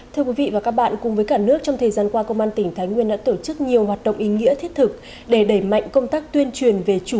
thưa quý vị và các bạn cùng với cả nước trong thời gian qua công an tỉnh thái nguyên đã tổ chức nhiều hoạt động ý nghĩa thiết thực để đẩy mạnh công tác tuyên truyền về chủ quyền